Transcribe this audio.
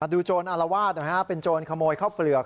มาดูโจรอลวาดนะครับเป็นโจรขโมยข้าวเปลือก